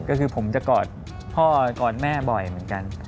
ก็คือผมจะกอดพ่อกอดแม่บ่อยเหมือนกัน